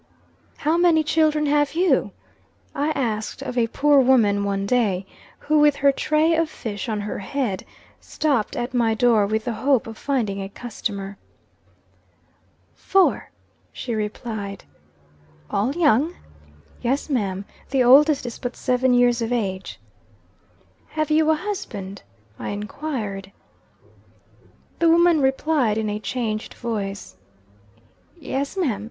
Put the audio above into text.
"How many children have you?" I asked of a poor woman, one day, who, with her tray of fish on her head, stopped at my door with the hope of finding a customer. "Four," she replied. "All young?" "Yes ma'am. The oldest is but seven years of age." "Have you a husband?" I enquired. The woman replied in a changed voice: "Yes, ma'am.